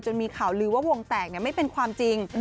มีข่าวลือว่าวงแตกไม่เป็นความจริง